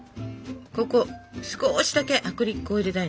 ここ少しだけ薄力粉を入れたいんだけど。